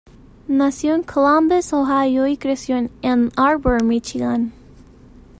Nació en Columbus, Ohio y creció en Ann Arbor, Míchigan.